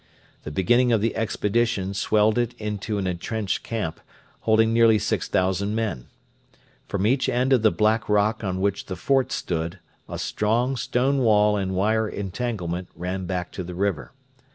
The beginning of the expedition swelled it into an entrenched camp, holding nearly 6,000 men. From each end of the black rock on which the fort stood a strong stone wall and wire entanglement ran back to the river.